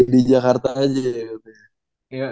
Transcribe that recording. di jakarta aja ya